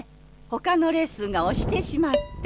ほかのレッスンが押してしまって。